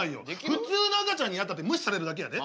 普通の赤ちゃんになったって無視されるだけやで？